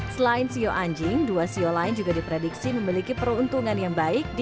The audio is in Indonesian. selain sio anjing dua sio lain juga diprediksi memiliki peruntungan yang baik di dua ribu delapan belas